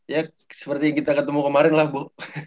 ya seperti yang kita ketemu kemarin lah bu